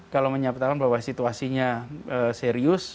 kalau menyatakan bahwa situasinya serius